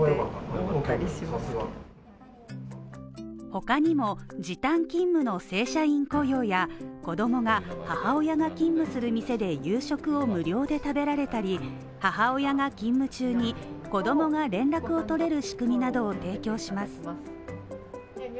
他にも、時短勤務の正社員登用や子供が母親が勤務する店で夕食を無料で食べられたり、母親が勤務中に子供が連絡を取れる仕組みなどを提供します。